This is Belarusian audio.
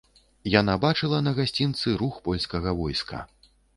Яна бачыла на гасцінцы рух польскага войска.